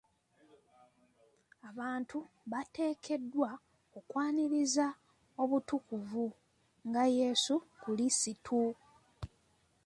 Abantu bateekeddwa okwaniriza obutukuvu nga Yesu kulisitu.